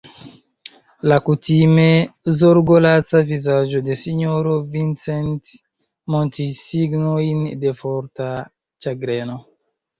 La kutime zorgolaca vizaĝo de sinjoro Vincent montris signojn de forta ĉagreno.